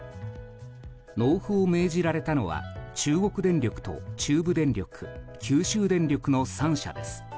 納付を命じられたのは中国電力と中部電力九州電力の３社です。